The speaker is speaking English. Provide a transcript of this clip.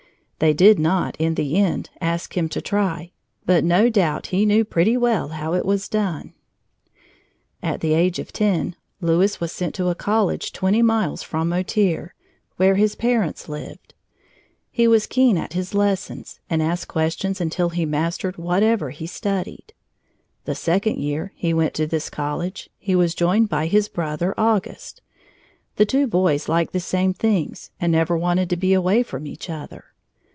They did not, in the end, ask him to try, but no doubt he knew pretty well how it was done. At the age of ten, Louis was sent to a college twenty miles from Motier, where his parents lived. He was keen at his lessons and asked questions until he mastered whatever he studied. The second year he went to this college he was joined by his brother, Auguste. The two boys liked the same things and never wanted to be away from each other.